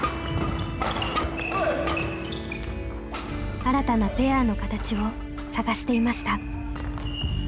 新たなペアの形を探していました。